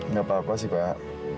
nggak apa apa sih pak